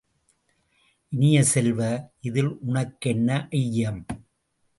இனிய செல்வ, இதில் உனக்கென்ன ஐயம்!